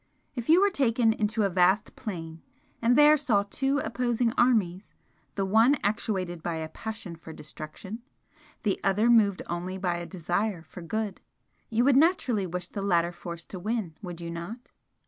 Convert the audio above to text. If you were taken into a vast plain, and there saw two opposing armies, the one actuated by a passion for destruction, the other moved only by a desire for good, you would naturally wish the latter force to win, would you not?"